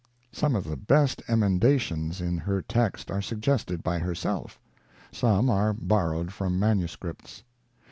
Some of the best emendations in her text are suggested by herself ; some are borrowed from the manuscripts.